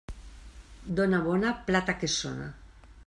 Dona bona, plata que sona.